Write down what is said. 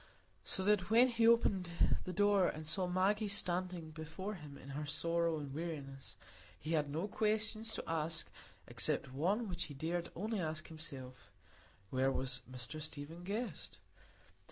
So that when he opened the door and saw Maggie standing before him in her sorrow and weariness, he had no questions to ask except one which he dared only ask himself,—where was Mr Stephen Guest?